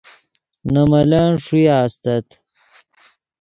نے ملن ݰویہ استت